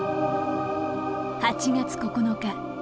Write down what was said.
８月９日。